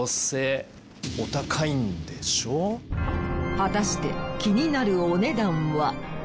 果たして気になるお値段は？